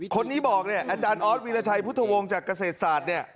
คนนี้บอกเนี่ยอาจารย์ออสวีรชัยพุทธวงศ์จากเกษตรศาสตร์เนี่ย